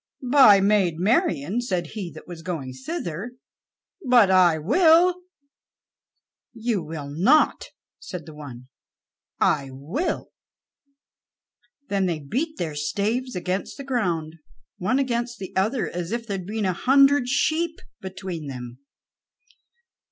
"By Maid Marian," said he that was going thither, "but I will." "You will not," said the one. "I will," said the other. Then they beat their staves against the ground one against the other, as if there had been a hundred sheep between them.